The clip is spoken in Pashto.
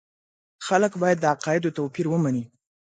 خلک باید د عقایدو توپیر ومني.